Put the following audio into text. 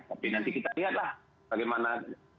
tapi nanti kita lihat lah bagaimana